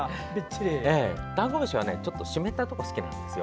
ダンゴムシはちょっと湿ったところが好きなんですよ。